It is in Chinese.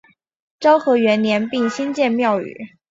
昭和元年并新建庙宇。